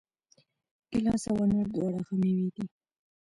ګیلاس او انار دواړه ښه مېوې دي.